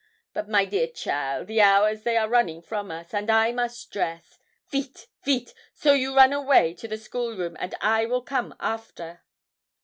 But, my dear cheaile, the hours they are running from us, and I must dress. Vite, vite! so you run away to the school room, and I will come after.'